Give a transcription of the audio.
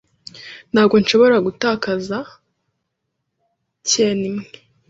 Ntabwo nshobora gutakaza yen imwe .